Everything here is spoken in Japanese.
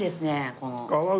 この。